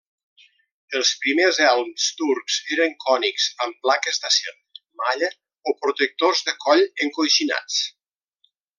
Els primers elms turcs eren cònics amb plaques d'acer, malla o protectors de coll encoixinats.